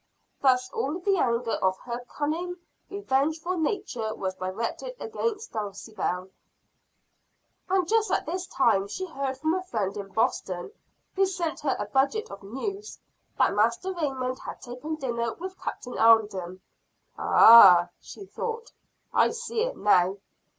Thus all the anger of her cunning, revengeful nature was directed against Dulcibel. And just at this time she heard from a friend in Boston, who sent her a budget of news, that Master Raymond had taken dinner with Captain Alden. "Ah," she thought, "I see it now."